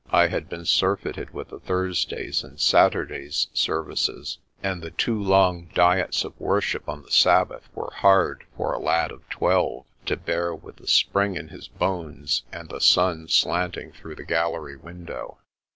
I had been surfeited with the Thursday's and Saturday's services, and the two long diets of worship on the Sabbath were hard for a lad of twelve to bear with the spring in his bones and the sun slanting through the gallery window.